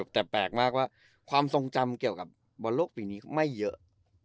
แต่แปลกมากว่าความทรงจำเกี่ยวกับบอลโลกปีนี้ไม่เยอะ